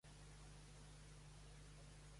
Hi ha algun lampista al carrer de Camprodon?